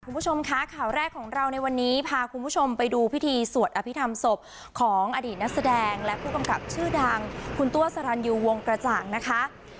คุณผู้ชมคะข่าวแรกของเราในวันนี้พาคุณผู้ชมไปดูพิธีสวดอภิษฐรรมศพของอดีตนักแสดงและผู้กำกับชื่อดังคุณตัวสรรยูวงกระจ่างนะคะ